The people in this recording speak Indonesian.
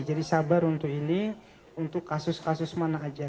jadi sabar untuk ini untuk kasus kasus mana aja